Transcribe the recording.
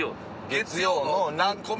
月曜の何個目？